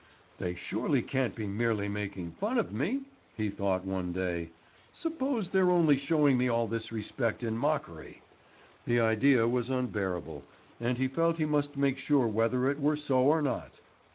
"They surely can't be merely making fun of me?" he thought one day. "Suppose they're only showing me all this respect in mockery!" The idea was unbearable, and he felt he must make sure whether it were so or not.